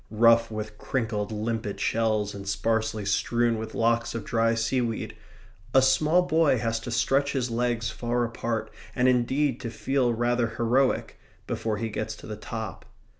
Rough with crinkled limpet shells and sparsely strewn with locks of dry seaweed, a small boy has to stretch his legs far apart, and indeed to feel rather heroic, before he gets to the top.